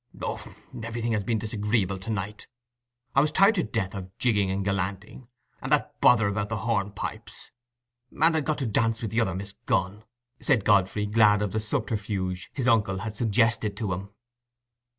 "Oh, everything has been disagreeable to night. I was tired to death of jigging and gallanting, and that bother about the hornpipes. And I'd got to dance with the other Miss Gunn," said Godfrey, glad of the subterfuge his uncle had suggested to him.